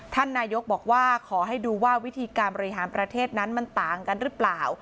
ท่านนายกบอกว่าขอให้ดูว่าวิธีการบริหารประเทศนั้นมันต่างกันหรือเปล่า